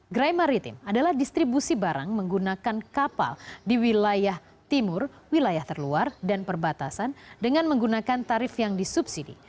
gerai maritim adalah distribusi barang menggunakan kapal di wilayah timur wilayah terluar dan perbatasan dengan menggunakan tarif yang disubsidi